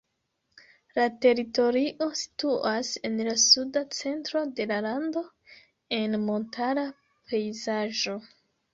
La teritorio situas en la suda centro de la lando, en montara pejzaĝo.